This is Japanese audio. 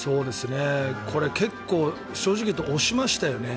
これ結構正直押しましたよね。